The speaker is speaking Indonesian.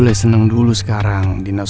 lo boleh seneng dulu sekarang dinosaurus